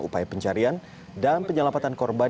upaya pencarian dan penyelamatan korban